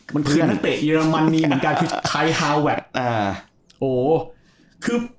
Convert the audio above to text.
ไพรุนตะเตะเยิรมักคาเฮลแลก